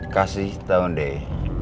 kasih tahun deh